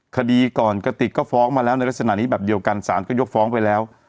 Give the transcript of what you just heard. คดีก่อนกระติกก็ฟ้องมาแล้วในลักษณะนี้แบบเดียวกันสารก็ยกฟ้องไปแล้ว